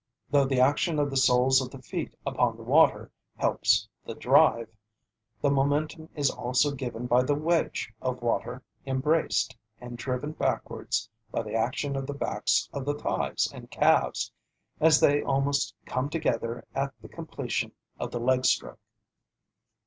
Though the action of the soles of the feet upon the water helps the "drive," the momentum is also given by the "wedge" of water embraced and driven backwards by the action of the backs of the thighs and calves, as they almost come together at the completion of the leg stroke.